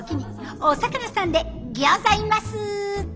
お魚さんでギョざいます！